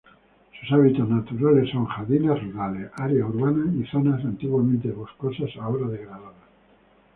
Sus hábitats naturales son jardines rurales, áreas urbanas y zonas antiguamente boscosas ahora degradadas.